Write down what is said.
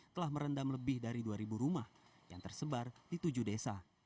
telah merendam lebih dari dua rumah yang tersebar di tujuh desa